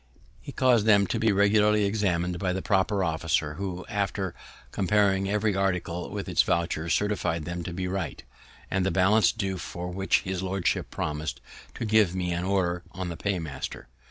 He caus'd them to be regularly examined by the proper officer, who, after comparing every article with its voucher, certified them to be right; and the balance due for which his lordship promis'd to give me an order on the paymaster.